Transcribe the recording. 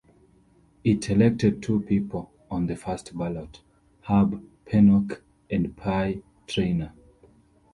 It elected two people on the first ballot, Herb Pennock and Pie Traynor.